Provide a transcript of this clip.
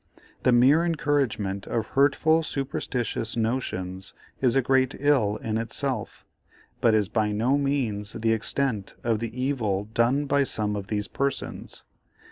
The mere encouragement of hurtful superstitious notions is a great ill in itself, but is by no means the extent of the evil done by some of these persons.